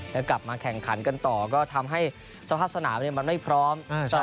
แล้วกลับมาแข่งขันกันต่อก็ทำให้สภาพสนามมันไม่พร้อม